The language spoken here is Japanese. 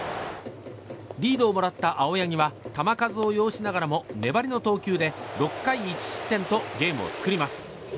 リードをもらった青柳は球数を要しながらも粘りの投球で６回１失点とゲームを作ります。